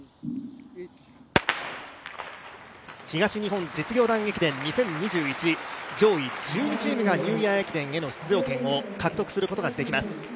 東日本実業団駅伝２０２１、上位１２チームがニューイヤー駅伝への出場権を獲得することができます。